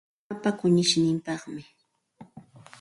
Qiwa mamaapa kunishninpaqmi.